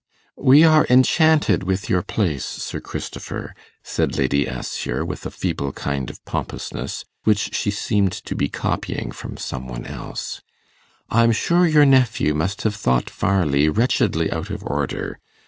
'We are enchanted with your place, Sir Christopher,' said Lady Assher, with a feeble kind of pompousness, which she seemed to be copying from some one else: 'I'm sure your nephew must have thought Farleigh wretchedly out of order.